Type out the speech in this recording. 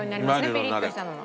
ピリッとしたのは。